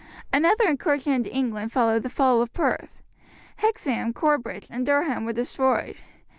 Another incursion into England followed the fall of Perth. Hexham, Corbridge, and Durham were destroyed.